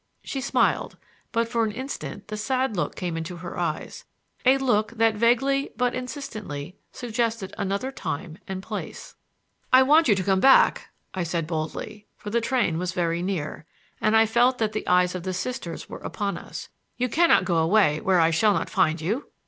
She smiled, but for an instant the sad look came into her eyes,—a look that vaguely but insistently suggested another time and place. "I want you to come back," I said boldly, for the train was very near, and I felt that the eyes of the Sisters were upon us. "You can not go away where I shall not find you!"